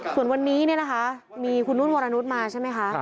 ส่วนวันนี้เนี่ยนะคะมีคุณนุ่นวรนุษย์มาใช่ไหมคะ